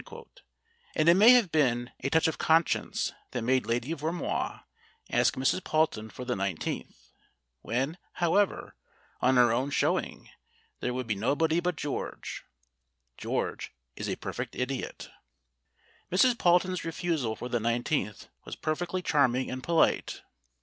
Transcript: And it may have been a touch of conscience that made Lady Vermoise ask Mrs. Palton for the iQth, when, however, on her own show ing there would be nobody but George (George is a perfect idiot). Mrs. Palton's refusal for the iQth was perfectly charming and polite.